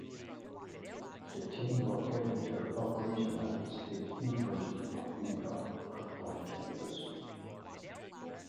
The team located their operations at the State University of New York, Cortland campus.